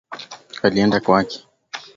Alienda kwake